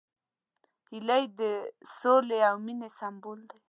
هیلۍ د سولې او مینې سمبول ده